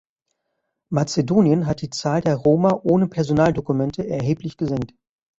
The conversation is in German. Mazedonien hat die Zahl der Roma ohne Personaldokumente erheblich gesenkt.